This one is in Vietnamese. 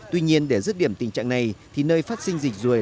tuy nhiên để rứt điểm tình trạng này thì nơi phát sinh dịch ruồi